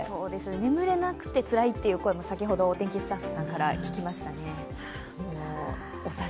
眠れなくてつらいという声も先ほどお天気スタッフさんから聞きましたね。